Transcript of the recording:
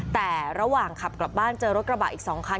แต่ระหว่างขับกลับบ้านเจอรถกระบะอีก๒คัน